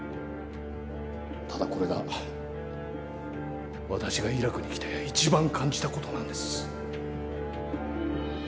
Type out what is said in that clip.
ただ、これが私がイラクに来て一番感じたことなんです。